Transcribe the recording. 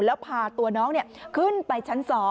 แล้วพาตัวน้องขึ้นไปชั้น๒